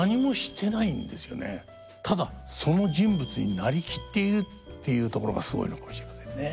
ただ「その人物になりきっている」っていうところがすごいのかもしれませんね。